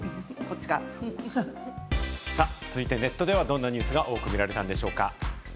続いてネットではどんなニュースが多く見られたんでしょうか？